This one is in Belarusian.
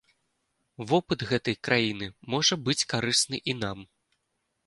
Вопыт гэтай краіны можа быць карысны і нам.